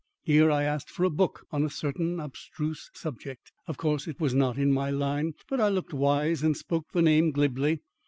Here I asked for a book on a certain abstruse subject. Of course, it was not in my line, but I looked wise and spoke the name glibly.